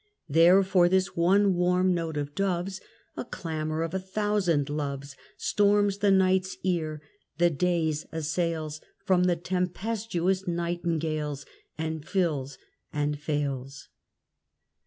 There for this one warm note of doves A clamour of a thousand loves Storms the night's ear, the day's assails, From the tempestuous nightingales, And fills, and fails.